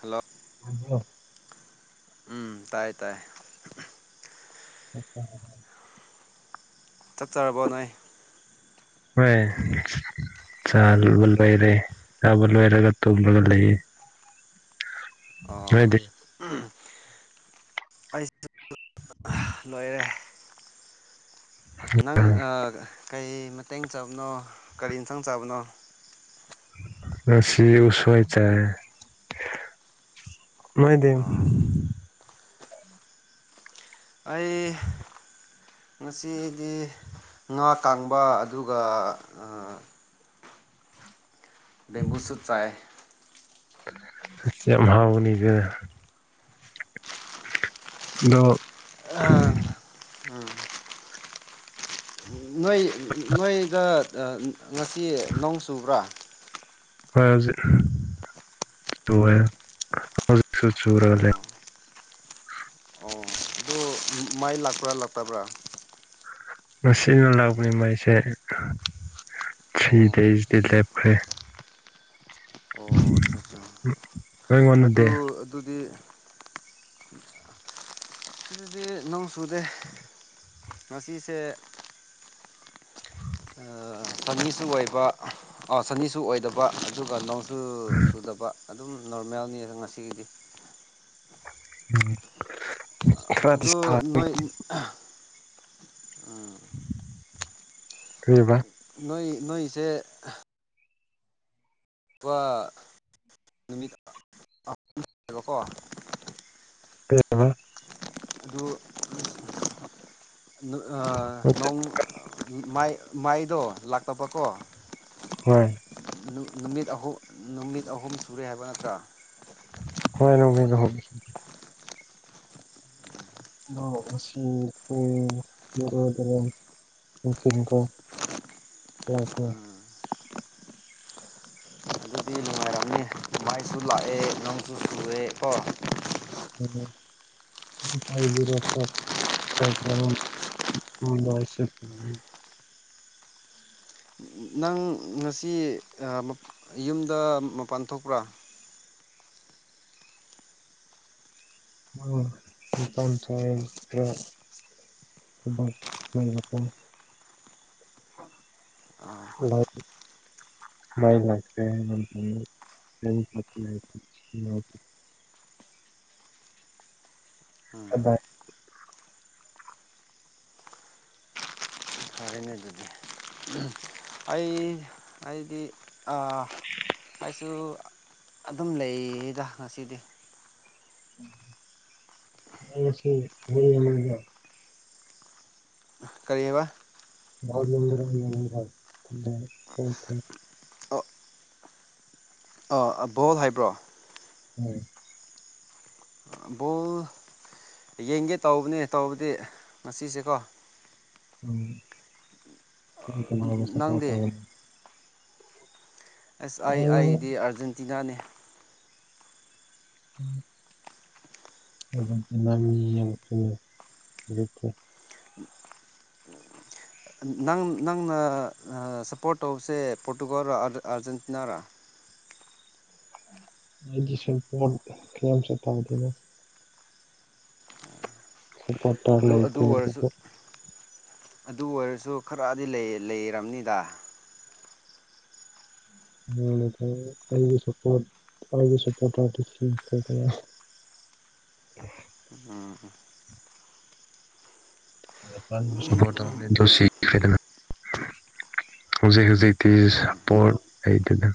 hello ꯎꯝ ꯇꯥꯏ ꯇꯥꯏ [unintelligible] ꯆꯤꯛ ꯆꯔꯕꯣ ꯅꯣꯏ ꯍꯣꯏ ꯆ ꯂꯣꯟꯕ ꯂꯣꯏꯔꯦ ꯆꯕꯂꯣꯏꯔꯒ ꯇꯨꯝꯕꯒ ꯂꯩꯌꯦ ꯑꯣ ꯅꯣꯏꯗꯤ ꯎꯝ ꯑꯩꯁꯨ ꯂꯣꯏꯔꯦ ꯅꯪ ꯑꯥ ꯀꯩ ꯃꯇꯦꯡ ꯆꯥꯕꯅꯣ ꯀꯔꯤ ꯏꯟꯁꯥꯡ ꯆꯥꯕꯅꯣ ꯉꯁꯤ ꯎꯁꯣꯏ ꯆꯥꯏ ꯅꯣꯏꯗꯤ ꯑꯣ ꯑꯩ ꯉꯁꯤꯗꯤ ꯉꯥ ꯇꯥꯡꯕ ꯑꯗꯨꯒ ꯕꯦꯝꯕꯨꯨ ꯁꯨꯠ ꯆꯥꯏ ꯑꯁ ꯌꯥꯝ ꯍꯥꯎꯕꯅꯤꯗ ꯗꯣ ꯑꯥ ꯎꯝ ꯅꯣꯏ ꯅꯣꯏꯗ ꯑꯥ ꯉꯁꯤ ꯅꯣꯡ ꯆꯨꯕ꯭ꯔꯥ ꯈꯣꯏ ꯍꯧꯖꯤꯛ ꯂꯣꯢꯔꯦ ꯍꯧꯖꯤꯛꯁꯨ ꯆꯨꯔꯒ ꯂꯩ ꯑꯣ ꯑꯗꯨ ꯃꯥꯏ ꯂꯥꯛꯄ꯭ꯔꯥ ꯂꯥꯛꯇꯕ꯭ꯔꯥ ꯃꯁꯤꯅ ꯂꯥꯛꯄꯅꯤ ꯃꯩꯁꯦ ꯊ꯭ꯔꯤ ꯑꯣ ꯗꯦꯁꯗꯤ ꯂꯦꯞꯈ꯭ꯔꯦ ꯑꯣ ꯑꯠꯆꯥ ꯑꯆꯥ ꯑꯗꯨ ꯅꯣꯏꯉꯣꯟꯗꯗꯤ ꯑꯗꯨꯗꯤ [inaudible] ꯁꯤꯗꯗꯤ ꯅꯣꯡ ꯆꯨꯗꯦ ꯉꯁꯤꯁꯦ ꯑ ꯁꯟꯅꯤꯁꯨ ꯑꯣꯏꯕ ꯑ ꯁꯟꯅꯤꯁꯨ ꯑꯣꯏꯗꯕ ꯑꯗꯨꯒ ꯅꯣꯡ ꯗꯨ ꯁꯨꯗꯕ ꯑꯗꯨꯝ ꯅꯣꯔꯃꯦꯜꯅꯤ ꯉꯁꯤꯒꯤꯗꯤ ꯎꯝ ꯑꯗꯣ ꯅꯣꯏ ꯎꯝ ꯀ꯭ꯔꯤꯕ ꯅꯣꯏ ꯅꯣꯏꯁꯦ ꯋꯥ ꯔꯣꯀꯣ ꯀꯩ ꯍꯥꯏꯕ ꯅꯨ ꯑ ꯅꯣꯡ ꯃꯥꯏ ꯃꯥꯢꯗꯣ ꯂꯥꯛꯇꯕꯀꯣ ꯍꯣꯏ ꯅꯨ ꯅꯨꯃꯤꯠ ꯑꯍꯨꯝ ꯅꯨꯃꯤꯠ ꯑꯍꯨꯝ ꯁꯨꯔꯦ ꯍꯥꯏꯕ ꯅꯠꯇ꯭ꯔꯥ ꯍꯣꯏ ꯅꯨꯃꯤꯠ ꯑꯍꯨꯝ [unintelligible] ꯅꯨꯡꯊꯤꯟ ꯀꯣ ꯂꯥꯛꯀꯦ ꯑꯥꯢꯁꯨ ꯂꯥꯛꯑꯦ ꯅꯪꯁꯨ ꯁꯨꯔꯦ ꯀꯣ [unintelligible] [unintelligible] ꯅꯪ ꯉꯁꯤ ꯑ ꯃ ꯌꯨꯝꯗ ꯃꯄꯥꯟ ꯊꯣꯛꯄ꯭ꯔꯥ ꯑ ꯃꯄꯥꯟ ꯊꯣꯛꯑꯦꯄ꯭ꯔ ꯊꯕꯛ ꯂꯩꯕꯀꯣ ꯑ ꯃꯩ ꯂꯥꯛꯇꯦ [unintelligible] [inaudible] ꯎꯝ ꯀꯗꯥꯏ ꯐꯔꯦꯅꯦ ꯑꯗꯨꯗꯤ ꯑꯩ ꯑꯩꯗꯤ [inaudible] ꯑꯩꯁꯨ ꯑꯗꯨꯝ ꯂꯩꯌꯤꯗ ꯉꯁꯤꯗꯤ [unintelligible] ꯀꯔꯤꯑꯕ [unintelligible] ꯑ ꯑꯕꯣꯜ ꯍꯥꯏꯕ꯭ꯔꯣ ꯍꯣꯢ ꯑ ꯕꯣꯜ ꯌꯦꯡꯒꯦ ꯇꯧꯕꯅꯦ ꯇꯧꯕꯗꯤ ꯉꯁꯤꯁꯦꯀꯣ ꯎꯝ ꯅꯪ ꯀꯥꯅꯗ ꯁꯞꯄꯣꯔꯠ ꯅꯪꯗꯤ ꯇꯧꯒꯅꯤ ꯑꯦꯁ ꯑꯥꯏ ꯑꯥꯢꯗꯤ ꯑꯥꯔꯖꯦꯟꯇꯤꯅꯥꯅꯦ ꯎꯝ [unintelligible] ꯅꯪ ꯅꯪꯅ ꯁꯞꯄꯣꯔꯠ ꯇꯧꯕꯁꯦ ꯄꯣꯔꯇꯨꯒꯜꯔ ꯑꯥꯔꯖꯦꯟꯇꯤꯅꯥꯔ ꯑꯩꯗꯤ ꯁꯦꯟꯄꯣꯟ ꯈꯔ ꯌꯥꯝ [unintelligible] ꯑꯗꯨ ꯑꯗꯨ ꯑꯣꯏꯔꯁꯨ ꯑꯗꯨ ꯑꯣꯏꯔꯁꯨ ꯈꯔꯗꯤ ꯂꯩ ꯂꯩꯔꯝꯅꯤꯗ [unintelligible] ꯑꯩꯒꯤ ꯁꯞꯄꯣꯠ ꯑꯩꯒꯤ ꯁꯞꯄꯣꯇꯔꯗꯤ [unintelligible] ꯎꯝ ꯖꯄꯥꯟꯗꫭ ꯁꯄꯣꯔꯠ ꯇꯧꯕꯅꯦ ꯑꯗꫭ‌ ꯁꯤꯈ꯭ꯔꯦꯗꯅ ꯍꯧꯖꯤꯛ ꯍꯧꯖꯤꯛꯇꯤ ꯁꯄꯣꯔꯠ ꯂꯩꯇꯦꯗ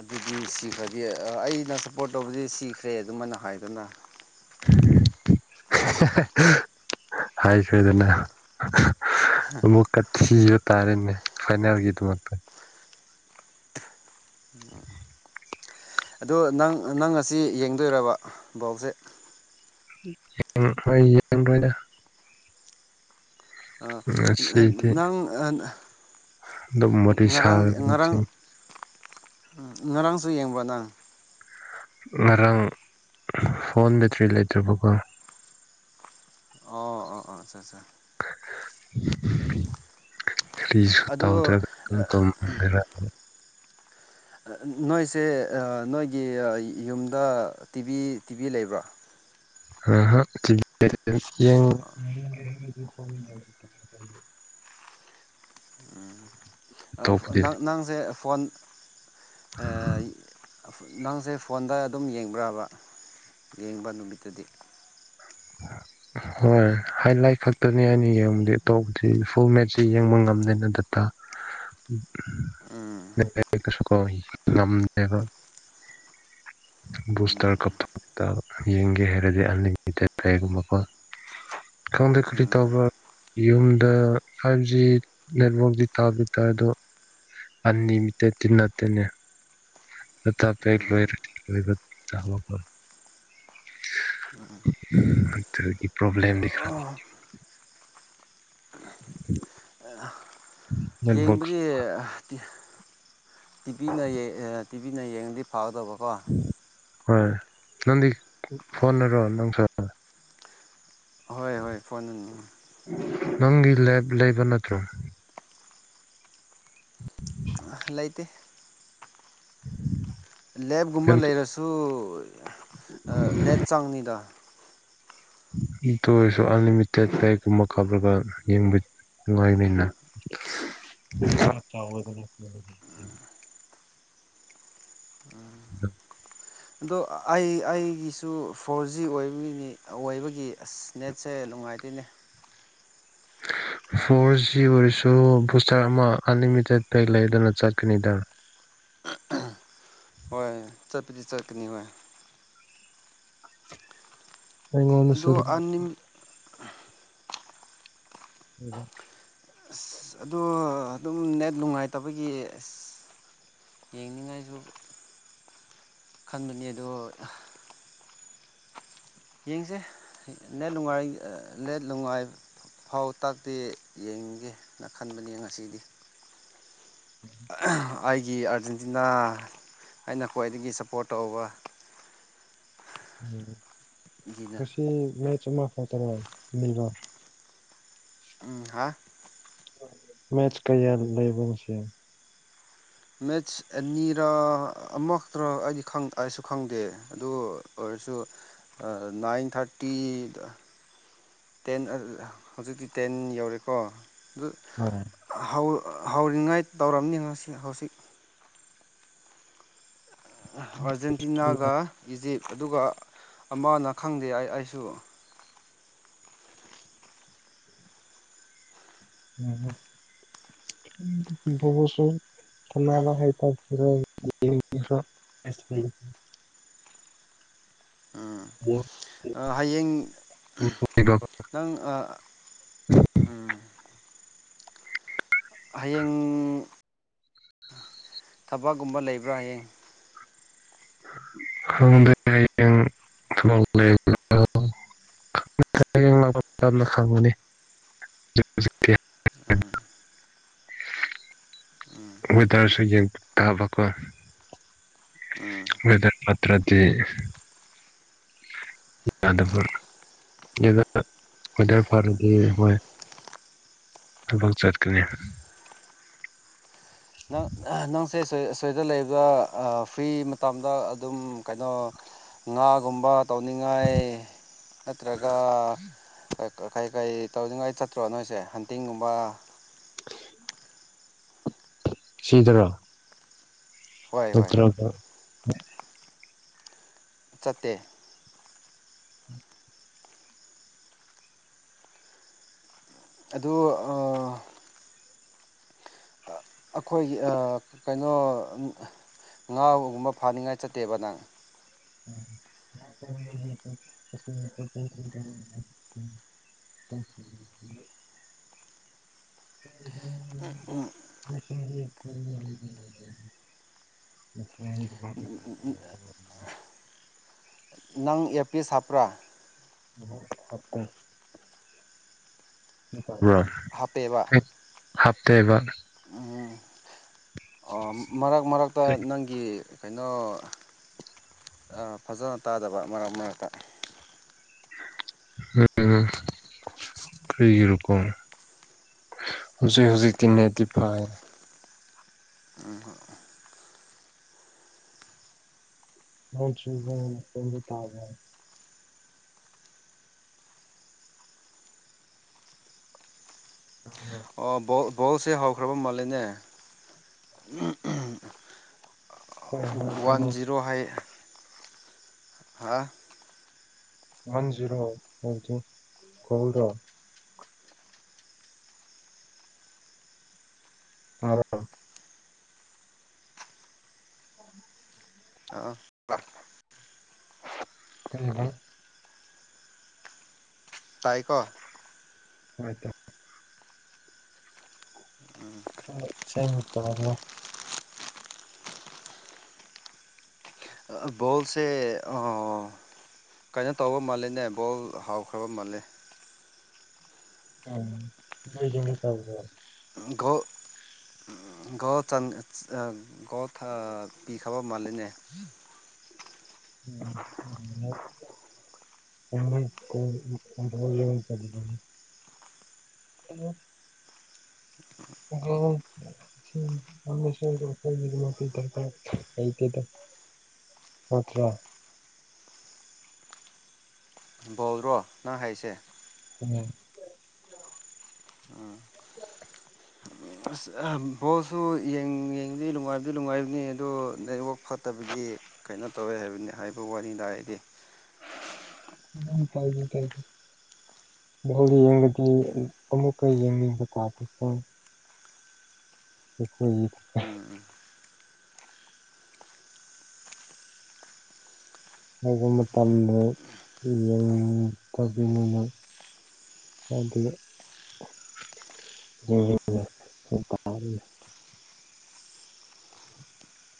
ꯑꯗꯨꯗꯤ ꯁꯤꯈ꯭ꯔꯗꯤ ꯑꯩꯅ ꯁꯞꯄꯣꯔꯠ ꯇꯧꯕꯗꯤ ꯁꯤꯈ꯭ꯔꯦ ꯑꯗꯨꯃꯥꯏꯅ ꯍꯥꯏꯗꯅ [unintelligible] ꯍꯥꯏꯈ꯭ꯔꯦꯗꯅ ꯑꯃꯨꯛꯀ ꯊꯤꯕ ꯇꯥꯔꯦꯅꯦ ꯐꯥꯏꯅꯦꯜꯒꯤꯗꯃꯛꯇ ꯑꯗꯣ ꯅꯪ ꯅꯪ ꯉꯁꯤ ꯌꯦꯡꯗꯣꯏꯔꯕ ꯕꯣꯜꯁꯦ [unintelligible] ꯑꯩ ꯌꯦꯡꯔꫭꯏꯗ ꯉꯁꯤꯗꯤ ꯅꯪ ꯑꯗꯨꯝ ꯋꯥꯔꯤ [unintelligible] ꯉꯔꯥꯡꯗꯤ ꯁꯥꯒꯅꯤ ꯉꯁꯤ ꯉꯔꯥꯡ ꯉꯔꯥꯡꯁꯨ ꯌꯦꯡꯕ꯭ꯔ ꯅꯪ ꯉꯔꯥꯡ ꯐꯣꯟꯗ ꯊ꯭ꯔꯤ ꯂꯩꯇ꯭ꯔꯕꯀꯣ ꯑꯣ ꯑꯣ ꯑꯣ ꯑꯆꯥ ꯑꯠꯆꯥ ꯀꯔꯤꯁꯨ ꯑꯗꯨ ꯇꯧꯗ꯭ꯔꯒ ꯑꯗꯨꯝ ꯇꯨꯝꯃꯦ [unintelligible] ꯅꯣꯏꯁꯦ ꯑ‌ ꯅꯣꯏꯒꯤ ꯌꯨꯝꯗ ꯇꯤꯚꯤ ꯇꯤꯚꯤ ꯂꯩꯕ꯭ꯔꫭ [unintelligible] [inaudible] ꯑꯇꯣꯞꯄꯗꯤ ꯅꯪ ꯅꯪꯁꯦ ꯐꯣꯟ ꯑ ꯅꯪꯁꯦ ꯐꯣꯟꯗ ꯑꯗꯨꯝ ꯌꯦꯡꯕ꯭ꯔꯕ ꯌꯦꯡꯕ ꯅꯨꯃꯤꯠꯇꯗꯤ ꯍꯣꯏ ꯍꯥꯏꯂꯥꯏꯠ ꯈꯛꯇꯅꯦ ꯑꯩꯅ ꯌꯦꯡꯕꯗꯤ ꯑꯇꯣꯞꯄꯗꯤ ꯐꯨꯜ ꯃꯦꯠꯁꯤ ꯌꯦꯡꯕ ꯉꯝꯗꯦꯅ ꯗꯇꯥ ꯎꯝ [unintelligible] ꯁꯨ ꯀꫭ ꯉꯝꯗꯦꯗ [unintelligible] ꯕꯨꯁꯇꯔ ꯀꯥꯄꯛꯄ‌ ꯇꯥꯕ ꯌꯦꯡꯒꯦ ꯍꯥꯏꯔꯗꯤ ꯑꯟꯂꯤꯃꯤꯇꯦꯠ [unintelligible] ꯈꯪꯗꯦ ꯀꯔꯤ ꯎꯝ ꯇꯧꯕ꯭ꯔ ꯌꯨꯝꯗ ꯐꯥꯏꯞꯖꯤ ꯅꯦꯠꯋꯔꯥꯛꯇꯤ ꯇꯥꯞꯗꯤ ꯇꯥꯏ ꯑꯗꯣ ꯑꯟꯅꯤꯃꯤꯇꯦꯠ ꯇꯤ ꯅꯠꯇꯦꯅꯦ ꯗꯇꯥ ꯄꯦꯛ ꯂꯣꯏꯔꯗꯤ ꯂꯣꯏꯕꯗ [unintelligible] ꯑꯗꯨꯒꯤ ꯄ꯭ꯔꯣꯕ꯭ꯂꯦꯝꯗꯤ [unintelligible] ꯌꯦꯡꯕꯗꯤ [unintelligible] ꯇꯤꯚꯤꯅ ꯇꯤꯚꯤꯅ ꯌꯦꯡꯉꯗꯤ ꯐꯒꯗꯧꯕꯀꯣ ꯍꯣꯏ ꯅꯪꯗꯤ ꯐꯣꯟꯅꯔꯣ ꯅꯪꯁꯨ ꯍꯣꯏ ꯍꯣꯏ ꯐꯣꯟ ꯅꯪꯒꯤ ꯂꯦꯞ ꯂꯩꯕ ꯅꯠꯇ꯭ꯔꯣ ꯂꯩꯇꯦ ꯂꯦꯞꯒꯨꯝꯕ ꯌꯨꯝ ꯂꯩꯔꯁꯨ ꯅꯦꯠ ꯑ‌ ꯆꯡꯉꯤꯗ ꯑꯗꯨ ꯑꯣꯏꯁꯨ ꯑꯟꯂꯤꯃꯤꯇꯦꯠ ꯀꯩ ꯒꯨꯝꯕ ꯀꯥꯞꯔꯒ ꯌꯦꯡ ꯅꯨꯡꯉꯥꯏꯅꯤꯅ [unintelligible] [inaudible] ꯑꯗꯣ ꯑꯩ ꯑꯩꯒꯤꯁꯨ ꯐꯣꯔ ꯖꯤ ꯑꯣꯏꯕꯅꯤ ꯑꯣꯏꯕꯒꯤ ꯑꯁ ꯅꯦꯠꯁꯦ ꯅꯨꯡꯉꯥꯏꯇꯦꯅꯦ [inaudible] ꯐꯣꯔ ꯖꯤ ꯑꯣꯏꯔꯁꯨ ꯕꯨꯁꯇꯔ ꯑꯃ ꯑꯟꯂꯤꯃꯤꯇꯦꯠ ꯀꯩ ꯂꯩꯗꯅ ꯆꯠꯀꯅꯤꯗ [unintelligible] ꯍꯣꯏ ꯆꯠꯄꯗꯤ ꯆꯠꯀꯅꯤ ꯍꯣꯏ ꯑꯩꯉꯣꯅꯗꯁꯨ ꯑꯗꯣ [unintelligible] ꯑꯅꯤꯝ [unintelligible] ꯑꯁ ꯑꯗꯣ ꯑꯗꯨꯝ ꯅꯦꯠ ꯅꯨꯡꯉꯥꯏꯇꯕꯒꯤ ꯑꯦꯁ ꯌꯦꯡꯅꯤꯡꯉꯥꯏꯖꯨ ꯈꯟꯕꯅꯤ ꯑꯗꯣ ꯌꯦꯡꯁꯦ ꯅꯦꯠ ꯅꯨꯡꯉꯥꯏ ꯑ ꯂꯦꯠ ꯅꯨꯡꯉꯥꯏ ꯐꯥꯎꯇꯥꯇꯤ ꯌꯦꯡꯒꯦꯅ ꯈꯟꯕꯅꯤ ꯉꯁꯤꯗꯤ ꯑꯥꯢꯒꯤ ꯑꯥꯔꯖꯦꯟꯇꯤꯅꯥ ꯑꯩꯅ ꯈ꯭ꯋꯥꯏꯗꯒꯤ ꯁꯞꯄꯣꯔꯠ ꯇꯧꯕ ꯎꯝ ꯉꯁꯤ ꯃꯦꯠꯁ ꯑꯃ ꯈꯛꯇꯔꯣ ꯅꯨꯃꯤꯗꯥꯡ ꯎꯝ ꯍꯥ ꯃꯦꯠꯁ ꯀꯌꯥ ꯂꯩꯕꯣ ꯉꯁꯤ ꯃꯦꯠꯁ ꯑꯅꯤꯔꯥ ꯑꯃꯈꯛꯇ꯭ꯔ ꯑꯩꯗꯤ ꯈꯪ ꯑꯩꯁꯨ ꯈꯪꯗꯦ ꯑꯗꯨ ꯑꯣꯢ ꯑꯩꯁꯨ ꯑ ꯅꯥꯏꯟ ꯊꯥꯔꯇꯤꯗ ꯇꯦꯟ ꯍꯧꯖꯤꯛꯇꯤ ꯇꯦꯟ ꯌꯧꯔꯦꯀꯣ ꯑꯗꯨ ꯍꯧ ꯍꯧꯔꯤꯉꯥꯏ ꯇꯧꯔꯝꯅꯤ ꯉꯁꯤ ꯍꯧꯖꯤꯛ ꯑꯥꯔꯖꯦꯟꯇꯤꯅꯥꯒ ꯏꯖꯤꯞ ꯑꯗꯨꯒ ꯑꯃꯅ ꯈꯪꯗꯦ ꯑꯩ ꯑꯩꯁꯨ [unintelligible] [unintelligible] [unintelligible] ꯑ ꯍꯌꯦꯡ ꯅꯪ ꯑ ꯎꯝ ꯍꯌꯦꯡ ꯊꯕꯛ ꯒꯨꯝꯕ ꯂꯩꯕ꯭ꯔꯥ ꯍꯌꯦꯡ ꯈꯪꯗꯦ ꯍꯌꯦꯡ ꯊꯕꯛ ꯂꯩꯕ꯭ꯔꯣ [unintelligible] ꯍꯣꯏ ꯇꯥꯔꯁꯨ ꯌꯦꯟ ꯇꯥꯕ ꯀꯣ ꯎꯝ ꯃꯦꯗ꯭ꯔꯠ ꯄꯇ꯭ꯔꯗꯤ ꯌꯥꯥꯗꯕ [unintelligible] ꯊꯕꯛ ꯆꯠꯀꯅꯤ [inaudible] ꯑ ꯅꯪꯁꯦ ꯁꯦ ꯁꯩꯗ ꯂꯩꯕ ꯑ ꯐ꯭ꯔꯤ ꯃꯇꯝꯗ ꯑꯗꯨꯝ ꯀꯩꯅꯣ ꯉꯥ ꯒꯨꯝꯕ ꯇꯧꯅꯤꯡꯉꯥꯏ ꯅꯠꯇ꯭ꯔꯒꯥ ꯑ ꯀ ꯀꯩ ꯀꯩ ꯇꯧꯅꯤꯡꯉꯥꯏ ꯆꯠꯇ꯭ꯔꯣ ꯅꯣꯏꯁꯦ ꯍꯟꯇꯤꯡꯒꯨꯝꯕ ꯁꯤꯗꯔꯣ ꯍꯣꯏ ꯍꯣꯏ ꯅꯠꯇ꯭ꯔꯒ ꯆꯠꯇꯦ [inaudible] ꯑꯗꯨ ꯑ ꯑꯈꯣꯏꯒꯤ ꯑ ꯀꯩꯅꯣ ꯎꯝ ꯉꯥ ꯒꯨꯝꯕ ꯐꯥꯅꯤꯡꯉꯥꯏ ꯆꯠꯇꯦꯕ ꯅꯪ [unintelligible] [inaudible] [inaudible] [inaudible] ꯅꯪ ꯑꯦꯔꯄꯤꯁ ꯍꯥꯞꯄ꯭ꯔꯥ ꯑꯣ ꯍꯥꯞꯄꯦ ꯍꯥꯞꯄꯦꯕ ꯍꯥꯞꯇꯦꯕ ꯎꯝ ꯃꯔꯛ ꯃꯔꯛꯇ ꯅꯪꯒꯤ ꯀꯩꯅꯣ ꯐꯖꯅ ꯇꯥꯗꯕ ꯃꯔꯛ ꯃꯔꯛꯇ ꯎꯝ ꯀ꯭ꯔꯤꯒꯤꯔꯀꯣ ꯍꯨꯖꯤꯛ ꯍꯨꯖꯤꯛꯇꯤ ꯅꯦꯠꯇꯤꯐꯥꯏ [unintelligible] ꯇꯥꯕꯔꯣ ꯑꯣ ꯕꯣꯜ ꯕꯣꯜꯁꯦ ꯍꯧꯈ꯭ꯔꯕ ꯃꯥꯜꯂꯦꯅꯦ ꯍꯣꯏ ꯍꯣꯏ ꯋꯥꯟ ꯀꯩꯅꯣ ꯖꯤꯔꯣ ꯍꯥꯏ ꯍꯥ ꯋꯥꯟ ꯖꯤꯔꯣ [unintelligible] ꯇꯥꯕ꯭ꯔꯥ [inaudible] ꯑꯥ [unintelligible] ꯇꯥꯏꯀꯣ ꯍꯣꯏ ꯏꯇꯥꯎ ꯁꯦꯡꯅ ꯇꯥꯕ꯭ꯔꯥ ꯑ ꯕꯣꯜꯁꯦ ꯑ ꯀꯩꯅꯣ ꯇꯧꯕ ꯃꯥꯜꯂꯤꯅꯦ ꯕꯣꯜ ꯍꯥꯎꯈ꯭ꯔꯕ ꯃꯥꯜꯂꯦ ꯎꯝ ꯃꯣꯏꯁꯤꯡꯗꯤ ꯇꯧꯕ꯭ꯔꯣ ꯒꯣꯜ ꯑ ꯒꯣꯜ ꯆꯥꯟ ꯑ ꯒꯣꯜ ꯊ ꯄꯤꯈ꯭ꯔꯕ ꯃꯥꯂꯤꯅꯦ ꯎꯝ [unintelligible] [unintelligible] ꯍꯂꯣ [unintelligible] [unintelligible] ꯅꯗ꯭ꯔꯥ [unintelligible] ꯑ ꯍꯥꯏꯁꯦ ꯎꯝ ꯑꯁ ꯕꯣꯜꯁꯨ ꯌꯦꯡ ꯌꯦꯡꯗꯤ ꯅꯨꯡꯉꯥꯏꯕꯗꯤ ꯅꯨꯡꯉꯥꯏꯕꯅꯤ ꯑꯗꯣ ꯅꯦꯠꯋꯥꯛ ꯐꯠꯇꯕꯒꯤ ꯀꯩꯅꯣ ꯇꯧꯋꯦ ꯍꯥꯏꯕꯅꯤ ꯍꯥꯏꯕ ꯋꯥꯅꯤꯗꯥ ꯑꯩꯗꯤ ꯎꯝ ꯀꯥꯏꯗꯦ ꯀꯥꯏꯗꯦ ꯋꯣꯜꯗ ꯌꯦꯡꯕꯗꯤ ꯑꯃꯨꯛꯀ ꯌꯦꯡꯅꯤꯡꯕ ꯇꯥꯕꯀꯣ [unintelligible] ꯑꯈꯣꯏꯒꯤ ꯎꯝ ꯍꯧꯕ ꯃꯇꯝꯗ ꯌꯦꯡ ꯇꯕꯤꯅꯤꯅ ꯍꯥꯏꯒꯤ [unintelligible]